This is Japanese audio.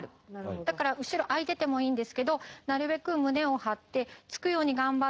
だから後ろ空いててもいいんですけどなるべく胸を張ってつくように頑張って。